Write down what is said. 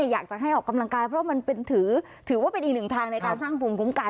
อยากจะให้ออกกำลังกายเพราะมันถือว่าเป็นอีกหนึ่งทางในการสร้างภูมิคุ้มกัน